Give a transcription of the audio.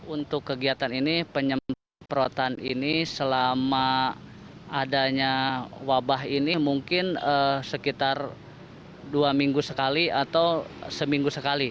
untuk kegiatan ini penyemprotan ini selama adanya wabah ini mungkin sekitar dua minggu sekali atau seminggu sekali